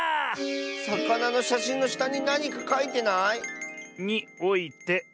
さかなのしゃしんのしたになにかかいてない？